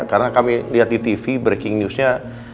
karena kami lihat di tv breaking newsnya